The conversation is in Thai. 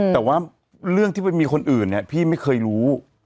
แต่ว่าเรื่องที่ไปมีคนอื่นเนี่ยพี่ไม่เคยรู้